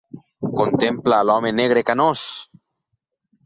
"Contempla a l'home negre canós!".